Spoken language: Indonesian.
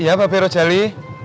iya bapak be rodjali